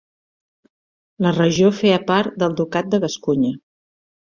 La regió feia part del ducat de Gascunya.